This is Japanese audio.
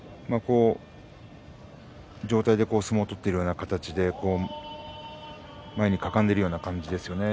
上体で相撲を取っているような形で前にかがんでいるような形ですよね。